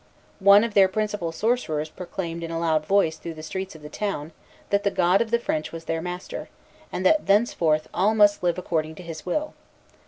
One of their principal sorcerers proclaimed in a loud voice through the streets of the town, that the God of the French was their master, and that thenceforth all must live according to His will.